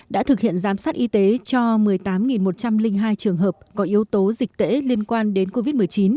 đã thực hiện giám sát y tế cho một mươi tám một trăm linh hai trường hợp có yếu tố dịch tễ liên quan đến covid một mươi chín